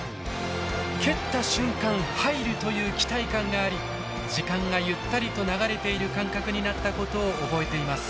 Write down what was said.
蹴った瞬間「入る」という期待感があり時間がゆったりと流れている感覚になったことを覚えています。